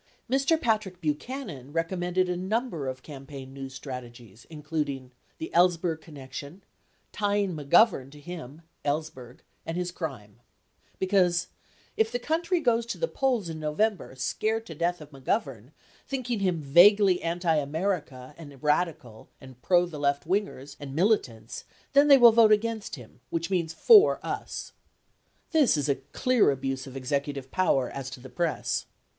Mr. Patrick Buchanan rec ommended a number of campaign news strategies including, "The Ellsberg connection, tying McGovern to him, Ellsberg, and his crime," because "if the country goes to the polls in November scared to death of McGovern, thinking him vaguely anti America and radical and pro the leftwingers and militants then they will vote against him — which means for us." 76 This is a clear abuse of executive power as to the press.